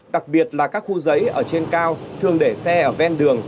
đặc biệt là các khu giấy ở trên cao thường để xe ở ven đường